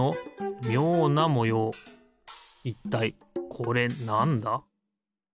いったいこれなんだ？